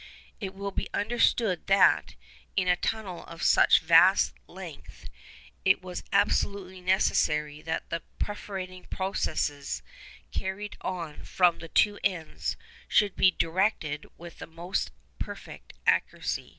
It will be understood that, in a tunnel of such vast length, it was absolutely necessary that the perforating processes carried on from the two ends should be directed with the most perfect accuracy.